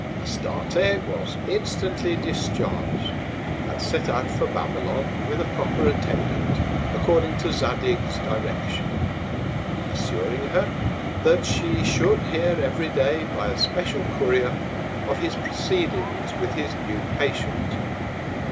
Astarte was instantly discharg'd, and set out for Babylon, with a proper Attendant, according to Zadig's Direction; assuring her that she should hear every Day, by a special Courier, of his Proceedings with his new Patient.